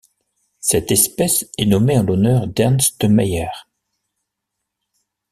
Cette espèce est nommée en l'honneur d'Ernst Mayr.